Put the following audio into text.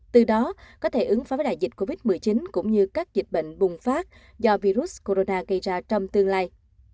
từ đó có thể ứng phó với đại dịch covid một mươi chín cũng như các dịch bệnh bùng phát do virus corona gây ra trong tương lai